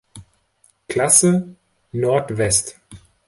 Klasse Nord-West“.